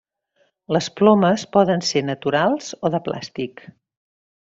Les plomes poden ser naturals o de plàstic.